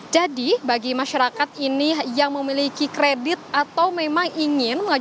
jadi bagi masyarakat ini yang memiliki kredit atau memang ingin